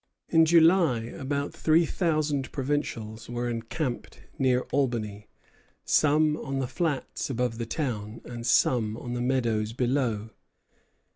In July about three thousand provincials were encamped near Albany, some on the "Flats" above the town, and some on the meadows below.